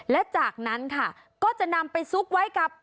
และจากนั้นค่ะก็จะนำไปซุกไว้กับ